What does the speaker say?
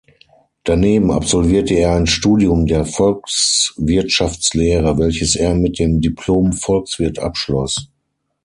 Daneben absolvierte er ein Studium der Volkswirtschaftslehre, welches er mit dem Diplom-Volkswirt abschloss.